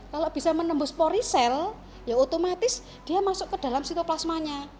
kalau bisa menembus porisel ya otomatis dia masuk ke dalam sitoplasmanya